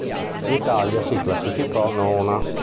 L'Italia si classificò nona.